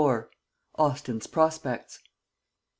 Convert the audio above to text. AUSTIN'S PROSPECTS.